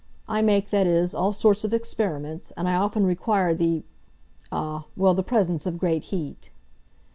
I make, that is, all sorts of experiments, and I often require the—ah, well, the presence of great heat."